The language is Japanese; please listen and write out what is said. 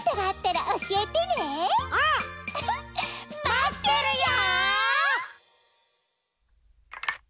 まってるよ！